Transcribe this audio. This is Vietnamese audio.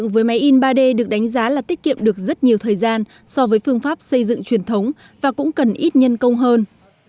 với máy in ba d được đánh giá là tiết kiệm được rất nhiều thời gian so với phương pháp xây dựng truyền thống và cũng cần ít nhân công hơn